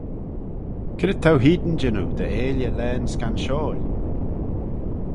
C'red t'ou hene jannoo dy 'eailley laghyn scanshoil?